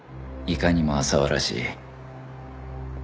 いかにも浅輪らしい